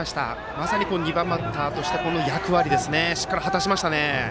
まさに２番バッターとしての役割をしっかり果たしましたね。